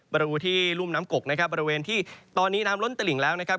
บริเวณที่รุ่มน้ำกกนะครับบริเวณที่ตอนนี้น้ำล้นตลิ่งแล้วนะครับ